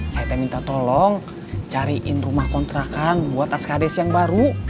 saya minta tolong cariin rumah kontrakan buat askades yang baru